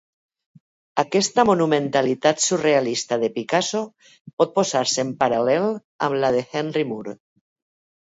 Aquesta monumentalitat surrealista de Picasso pot posar-se en paral·lel amb la de Henry Moore.